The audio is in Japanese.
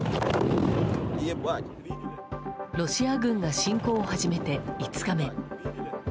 ロシア軍が侵攻を初めて５日目。